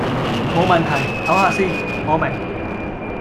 無問題，抖下先，我明